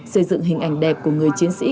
xây dựng hình ảnh đẹp của người chiến sĩ